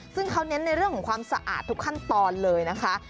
ซึ่งเขาเน้นในเรื่องของความสะอาดทุกขั้นตอนเลยนะคะ